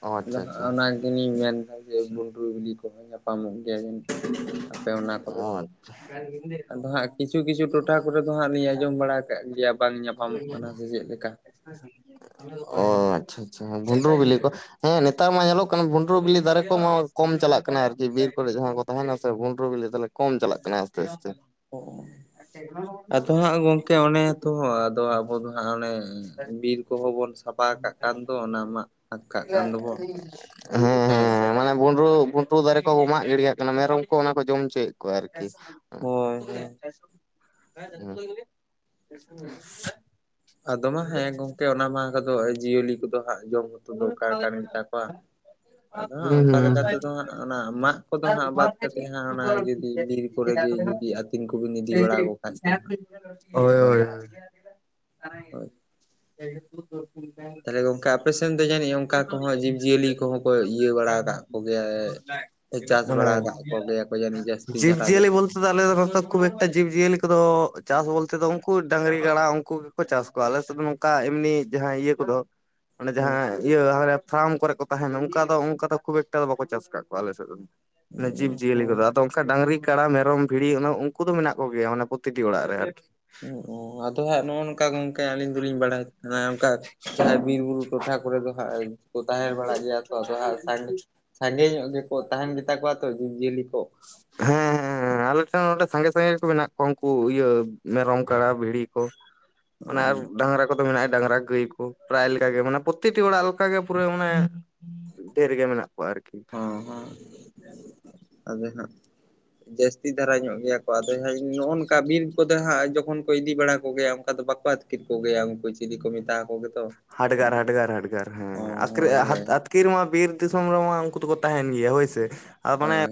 Speaker 2: ᱚ
Speaker 1: ᱟᱫᱚ
Speaker 2: ᱟᱪᱪᱷᱟ
Speaker 1: ᱦᱟᱸ
Speaker 2: ᱟᱪᱪᱷᱟ
Speaker 1: ᱚᱱᱟ ᱜᱮᱞᱤᱧ ᱢᱮᱱᱫᱟ ᱡᱮ ᱵᱩᱱᱰᱨᱩ ᱵᱤᱞᱤ ᱠᱚᱦᱚᱸ ᱧᱟᱯᱟᱢᱚᱜ ᱜᱮᱭᱟ ᱡᱟᱱᱤᱡ᱾ ᱟᱯᱮ ᱚᱱᱟ ᱠᱚᱨᱮ,
Speaker 2: ᱚ
Speaker 1: ᱟᱫᱚ ᱦᱟᱸᱜ ᱠᱤᱪᱷᱩ ᱠᱤᱪᱷᱩ ᱴᱚ ᱴᱚᱴᱷᱟ ᱠᱚᱨᱮ ᱫᱚ ᱦᱟᱸᱜ ᱞᱤᱧ ᱟᱸᱡᱚᱢ ᱵᱟᱲᱟ ᱟᱠᱟᱫ ᱜᱮᱭᱟ ᱵᱟᱝ ᱧᱟᱯᱟᱢᱚᱜ ᱠᱟᱱᱟ ᱥᱮ ᱪᱮᱫ ᱞᱮᱠᱟ᱾
Speaker 2: ᱚ ᱟᱪᱪᱷᱟ ᱟᱪᱪᱷᱟ ᱵᱷᱩᱰᱨᱩ ᱵᱤᱞᱤ ᱠᱚ᱾ ᱦᱮᱸ ᱱᱮᱛᱟᱨ ᱢᱟ ᱧᱮᱞᱚᱜ ᱠᱟᱱᱟ ᱵᱷᱩᱸᱰᱨᱩ ᱵᱤᱞᱤ ᱫᱟᱨᱮ ᱠᱚᱢᱟ ᱠᱚᱢ ᱪᱟᱞᱟᱜ ᱠᱟᱱᱟ ᱟᱨᱠᱤ ᱵᱤᱨ ᱠᱚᱨᱮ ᱡᱟᱸᱦᱟᱸ ᱠᱚ ᱛᱟᱦᱮᱱᱟ ᱥᱮ ᱵᱩᱱ ᱰᱨᱩ ᱵᱤᱞᱤ ᱛᱟᱦᱞᱮ ᱠᱚᱢ ᱪᱟᱞᱟᱜ ᱠᱟᱱᱟ ᱟᱥᱛᱮ ᱟᱥᱛᱮ᱾
Speaker 1: ᱚ ᱟᱫᱚ ᱦᱟᱸᱜ ᱜᱚᱝᱠᱮ ᱚᱱᱮ ᱛᱚ ᱟᱫᱚ ᱟᱵᱚ ᱫᱚ ᱦᱟᱸᱜ ᱚᱱᱮ᱾ ᱵᱤᱨ ᱠᱚᱦᱚᱸ ᱵᱚᱱ ᱥᱟᱯᱷᱟ ᱠᱟᱜ ᱠᱟᱱ ᱫᱚ ᱚᱱᱟ ᱢᱟᱜ ᱯᱷᱟᱠ ᱠᱟᱜ ᱠᱟᱱ ᱫᱚᱵᱚᱱ᱾
Speaker 2: ᱦᱮᱸ ᱦᱮᱸ ᱢᱟᱱᱮ ᱵᱷᱩᱱᱰᱨᱩ ᱵᱩ ᱰᱨᱩ ᱫᱟᱨᱮ ᱠᱚ ᱢᱟᱜ ᱜᱤᱲᱤ ᱠᱟᱜ ᱠᱟᱱᱟ ᱢᱮᱨᱚᱢ ᱠᱚ ᱚᱱᱟ ᱠᱚ ᱡᱚᱢ ᱦᱚᱪᱚᱭᱮᱫ ᱠᱚᱣᱟ ᱟᱨᱠᱤ᱾
Speaker 1: ᱦᱳᱭ ᱦᱳᱭ᱾
Speaker 2: [inaudible]
Speaker 1: ᱟᱫᱚ ᱢᱟ ᱦᱮᱸ ᱜᱚᱝᱠᱮ ᱚᱱᱟ ᱢᱟᱦ ᱠᱚᱫᱚ ᱡᱤᱭᱟᱹᱞᱤ ᱠᱚᱫᱚ ᱦᱟᱸᱜ ᱡᱚᱢ ᱦᱚᱸᱛᱚ ᱫᱚᱨᱠᱟᱨ ᱠᱟᱱ ᱜᱮᱛᱟ ᱠᱚᱣᱟ᱾ ᱟᱫᱚ ᱦᱟᱸᱜ ᱚᱱᱠᱟ
Speaker 2: ᱦᱩᱸ
Speaker 1: ᱞᱮᱠᱟ ᱛᱮᱫᱚ ᱦᱟᱸᱜ ᱚᱱᱟ ᱢᱟᱜ ᱠᱚᱫᱚ ᱦᱟᱸᱜ ᱵᱟᱫ ᱠᱟᱛᱮᱫ ᱦᱟᱸᱜ ᱚᱱᱟ ᱡᱩᱫᱤ ᱵᱤᱨ ᱠᱚᱨᱮ ᱜᱮ ᱡᱩᱫᱤ ᱟᱛᱤᱧ ᱠᱚᱵᱤᱱ ᱤᱫᱤ ᱵᱟᱲᱟ ᱠᱚ ᱠᱷᱟᱡ ᱫᱚ,
Speaker 2: ᱦᱩᱸ
Speaker 1: ᱟᱫᱚ ᱚᱱᱟ
Speaker 2: [inaudible]
Speaker 1: ᱦᱳᱭ
Speaker 2: [inaudible]
Speaker 1: ᱛᱟᱦᱚᱞᱮ ᱜᱚᱝᱠᱮ ᱟᱯᱮᱥᱮᱱ ᱫᱚ ᱡᱟᱱᱤᱡ ᱚᱱᱠᱟ ᱠᱚᱦᱚᱸ ᱡᱤᱵᱽᱼᱡᱤᱭᱟᱹᱞᱤ ᱠᱚᱦᱚᱸ ᱠᱚ ᱤᱭᱟᱹ ᱵᱟᱲᱟ ᱠᱟᱜ ᱠᱚᱜᱮᱭᱟ᱾ ᱪᱟᱥ
Speaker 2: ᱢᱟᱱᱮ
Speaker 1: ᱵᱟᱲᱟ ᱠᱟᱜ ᱠᱚᱜᱮᱭᱟ ᱠᱚ ᱡᱟᱱᱤᱡ ᱡᱟᱥᱛᱤ
Speaker 2: ᱡᱤᱵᱽ
Speaker 1: ᱫᱷᱟᱨᱟ ᱜᱮ᱾
Speaker 2: ᱡᱤᱭᱟᱹᱞᱤ ᱟᱞᱮ ᱵᱚᱞᱛᱮ ᱫᱚ ᱱᱚᱛᱮ ᱠᱷᱩᱵ ᱮᱠᱴᱟ ᱡᱤᱵᱽ ᱡᱤᱭᱟᱹᱞᱤ ᱠᱚᱫᱚ, ᱪᱟᱥ ᱵᱚᱞᱛᱮ ᱫᱚ ᱩᱱᱠᱩ ᱰᱟᱝᱨᱤ ᱠᱟᱲᱟ ᱩᱱᱠᱩ ᱜᱮᱠᱚ ᱪᱟᱥ ᱠᱚᱣᱟ ᱟᱞᱮ ᱥᱮᱫ ᱱᱚᱝᱠᱟ ᱮᱢᱱᱤ ᱡᱟᱦᱟᱸ ᱤᱭᱟᱹ ᱠᱚᱫᱚ ᱚᱱᱮ
Speaker 1: ᱦᱩᱸ
Speaker 2: ᱡᱟᱦᱟᱸ ᱤᱭᱟᱹ ᱦᱟᱱᱮ ᱯᱷᱟᱨᱢ ᱠᱚᱨᱮ ᱠᱚ ᱛᱟᱦᱮᱱᱟ ᱚᱱᱠᱟ ᱫᱚ ᱚᱱᱠᱟ ᱫᱚ ᱠᱷᱩᱵ ᱮᱠᱴᱟ ᱫᱚ ᱵᱟᱠᱚ ᱪᱟᱥ ᱠᱟᱜ ᱠᱚᱣᱟ ᱟᱞᱮ ᱥᱮᱫ ᱫᱚ᱾ ᱡᱤᱵ ᱡᱤᱭᱟᱹᱞᱤ ᱠᱚᱫᱚ᱾ ᱚᱱᱠᱟ ᱰᱟᱝᱨᱤ ᱠᱟᱲᱟ ᱢᱮᱨᱚᱢ ᱵᱷᱤᱲᱤ ᱩᱱᱠᱩ ᱫᱚ ᱢᱮᱱᱟᱜ ᱠᱚᱜᱮᱭᱟ ᱢᱟᱱᱮ ᱯᱨᱚᱛᱤᱴᱤ ᱚᱲᱟᱜ ᱨᱮ ᱟᱨᱠᱤ᱾
Speaker 1: ᱳ ᱚ ᱟᱫᱚ ᱦᱟᱸᱜ ᱱᱚᱜᱼᱚ ᱱᱚᱝᱠᱟ ᱜᱚᱝᱠᱮ ᱟᱞᱤᱧ ᱫᱚᱞᱤᱧ ᱵᱟᱲᱟᱭ᱾ ᱦᱟᱱᱮ ᱚᱱᱠᱟ ᱡᱟᱦᱟᱸ ᱵᱤᱨ ᱵᱩᱨᱩ ᱴᱚᱴᱷᱟ ᱠᱚᱨᱮ ᱫᱚ ᱦᱟᱸᱜ ᱠᱚ ᱛᱟᱦᱮ ᱵᱟᱲᱟᱜ ᱜᱮᱭᱟ᱾ ᱟᱫᱚ ᱦᱟᱸᱜ ᱥᱟᱸ ᱥᱟᱸᱜᱮ ᱧᱚᱜ ᱜᱮᱠᱚ ᱛᱟᱦᱮᱱ ᱜᱮ ᱛᱟᱠᱚᱣᱟ ᱛᱚ ᱡᱤᱵᱽ-ᱡᱤᱭᱟᱹᱞᱤ ᱠᱚ᱾
Speaker 2: ᱦᱮᱸ ᱦᱮᱸ ᱦᱮᱸ ᱟᱞᱮ ᱴᱷᱮᱱ ᱱᱚᱰᱮ ᱥᱟᱸᱜᱮ ᱥᱟᱸᱜᱮ ᱠᱚ ᱢᱮᱱᱟᱜ ᱠᱚᱣᱟ, ᱩᱱᱠᱩ ᱤᱭᱟᱹ ᱢᱮᱨᱚᱢ ᱠᱟᱲᱟ ᱵᱷᱤᱲᱤ ᱠᱚ᱾ ᱚᱱᱮ ᱟᱨ ᱰᱟᱝᱨᱟ ᱠᱚᱫᱚ ᱢᱮᱱᱟᱜ ᱰᱟᱝᱨᱟ ᱜᱟᱹᱭ ᱠᱚ, ᱯᱨᱟᱭ ᱞᱮᱠᱟ ᱜᱮ ᱢᱟᱱᱮ ᱯᱨᱚᱛᱮᱠᱴᱤ ᱚᱲᱟᱜ ᱞᱮᱠᱟᱜᱮ ᱯᱩᱨᱟᱹ ᱢᱟᱱᱮ ᱰᱷᱮᱨ ᱜᱮ ᱢᱮᱱᱟᱜ ᱠᱚᱣᱟ ᱟᱨᱠᱤ
Speaker 1: ᱚᱦᱚᱸᱜ ᱟᱫᱚ ᱦᱟᱸᱜ ᱡᱟᱥᱛᱤ ᱫᱷᱟᱨᱟ ᱧᱚᱜ ᱜᱮᱭᱟ ᱠᱚ ᱟᱫᱚ ᱦᱟᱸᱜ [inaudible] ᱱᱚᱜ-ᱚ ᱠᱟ ᱵᱤᱨ ᱠᱚᱫᱚ ᱦᱟᱸᱜ ᱡᱚᱠᱷᱚᱱ ᱠᱚ ᱤᱫᱤ ᱵᱟᱲᱟ ᱠᱚᱜᱮᱭᱟ ᱚᱱᱠᱟ ᱫᱚ ᱵᱟᱠᱚ ᱟᱛᱠᱤᱨ ᱠᱚᱜᱮᱭᱟ ᱩᱱᱠᱩ ᱪᱤᱞᱤ ᱠᱚ ᱢᱮᱛᱟ ᱟᱠᱚ ᱜᱮᱫᱚ?
Speaker 2: ᱦᱟᱰᱽᱜᱟᱨ ᱦᱟᱰᱽᱜᱟᱨ ᱦᱟᱰᱽᱜᱟᱨ ᱦᱮᱸ ᱟᱠᱨᱤ
Speaker 1: ᱦᱳᱭ
Speaker 2: ᱦᱮᱸ
Speaker 1: ᱦᱳᱭ
Speaker 2: ᱟᱛᱠᱤ ᱠᱤᱨ ᱢᱟ ᱵᱤᱨ ᱫᱤᱥᱚᱢ ᱨᱮᱢᱟ ᱩᱱᱠᱩ ᱫᱚᱠᱚ ᱛᱟᱦᱮᱱ ᱜᱮᱭᱟ ᱦᱳᱭᱥᱮ ᱟᱨ ᱢᱟᱱᱮ
Speaker 1: ᱦᱳᱭ